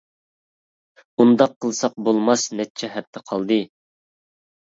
-ئۇنداق قىلساق بولماس نەچچە ھەپتە قالدى.